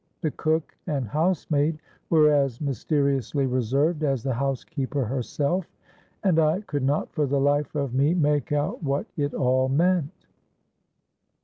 The cook and housemaid were as mysteriously reserved as the housekeeper herself; and I could not for the life of me make out what it all meant.